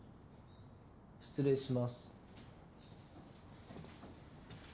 失礼します。